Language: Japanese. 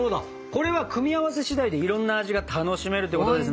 これは組み合わせしだいでいろんな味が楽しめるってことですね？